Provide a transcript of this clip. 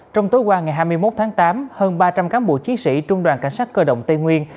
trong tối qua ngày hai mươi một tháng tám hơn ba trăm linh cán bộ chiến sĩ trung đoàn cảnh sát cơ động tây nguyên